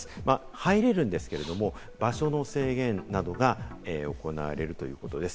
入れるんですけれども、場所の制限などが行われるということです。